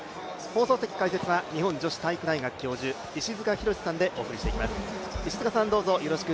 放送席解説は日本女子体育大学教授、石塚浩さんでお伝えしていきます。